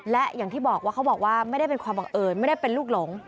และอย่างที่บอกว่าเขาบอกว่าไม่ได้เป็นความบังเอิญไม่ได้เป็นลูกหลง